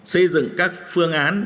xây dựng các phương án